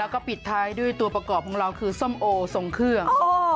แล้วก็ปิดท้ายด้วยตัวประกอบของเราคือส้มโอทรงเครื่อง